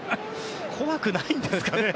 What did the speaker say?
怖くないんですかね。